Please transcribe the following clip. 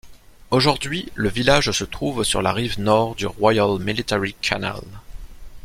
Aujourd'hui, le village se trouve sur la rive nord du Royal Military Canal.